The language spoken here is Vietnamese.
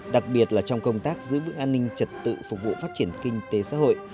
đặc biệt là trong công tác giữ vững an ninh trật tự phục vụ phát triển kinh tế xã hội